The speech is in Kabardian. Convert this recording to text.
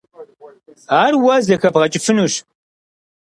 Ар уэ зэхэбгъэкӀыфынущ.